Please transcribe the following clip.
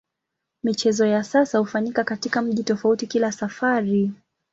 Michezo ya kisasa hufanyika katika mji tofauti kila safari.